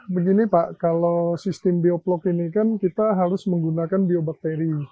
begini pak kalau sistem bioplok ini kan kita harus menggunakan biobakteri